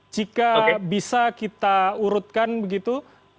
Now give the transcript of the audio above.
jika bisa kita urutkan begitu